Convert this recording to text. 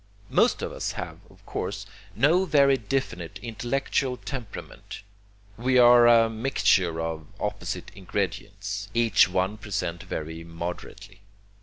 Most of us have, of course, no very definite intellectual temperament, we are a mixture of opposite ingredients, each one present very moderately.